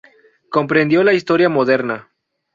Compendio de la historia moderna.